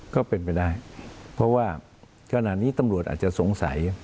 ก็เป็นไปได้เพราะว่าขณะนี้ตำรวจอาจจะสงสัย